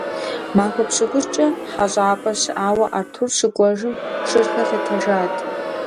Махуэ пщыкӀущкӀэ хьэщӀапӀэ щыӀауэ Артур щыкӀуэжым, шырхэр лъэтэжат.